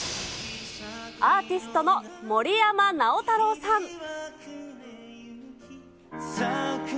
アーティストの森山直太朗さん。